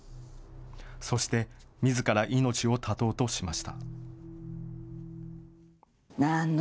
そしてみずから命を絶とうとしました。